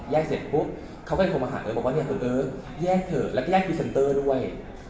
เสร็จปุ๊บเขาก็เลยโทรมาหาเลยบอกว่าเนี่ยเออแยกเถอะแล้วก็แยกพรีเซนเตอร์ด้วย